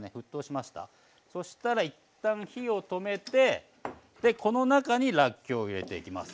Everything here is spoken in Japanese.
そしたら一旦火を止めてこの中にらっきょうを入れていきます。